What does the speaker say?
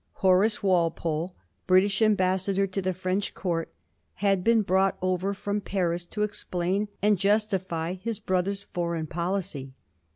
Horace Walpole, British Ambassador to the French Court, had been brought over ftom Paris to explain and justify his brother's foreign policy.